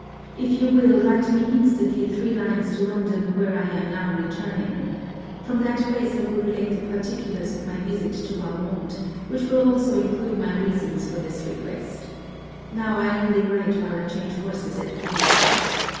If you will, write me instantly three lines to London, where I am now returning. From that place I will relate the particulars of my visit to Valmont, which will also include my reasons for this request. Now, I only write while I change horses at B